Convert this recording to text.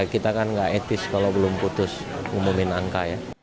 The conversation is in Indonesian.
kita kan nggak etis kalau belum putus ngumumin angka ya